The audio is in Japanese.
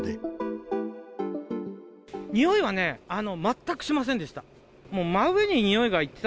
においはね、全くしませんでした。